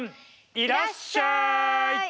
「いらっしゃい！」。